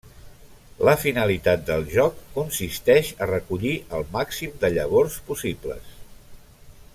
La finalitat del joc consisteix a recollir el màxim de llavors possible.